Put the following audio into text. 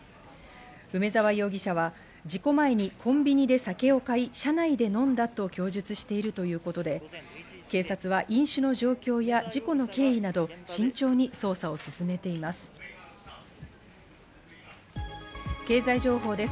梅沢容疑者は事故前にコンビニで酒を買い車内で飲んだと供述しているということで警察は飲酒の状況や事故の経緯など、慎重に捜査を進めています。